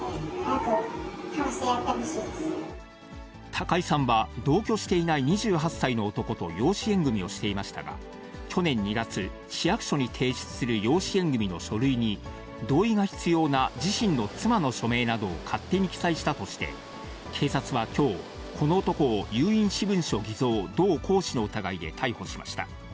高井さんは同居していない２８歳の男と養子縁組をしていましたが、去年２月、市役所に提出する養子縁組の書類に、同意が必要な自身の妻の署名などを勝手に記載したとして、警察はきょう、この男を有印私文書偽造・同行使の疑いで逮捕しました。